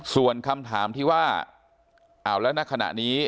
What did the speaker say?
ส่วนคำถามที่ว่าเอาแล้วณขณะนี้